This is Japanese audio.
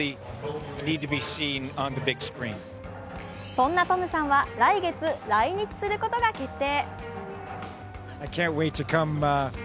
そんなトムさんは来月来日することが決定。